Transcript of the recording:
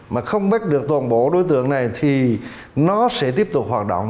mà không bắt được toàn bộ đối tượng này thì nó sẽ tiếp tục hoạt động